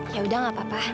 yaudah enggak apa apa